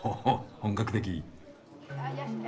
本格的！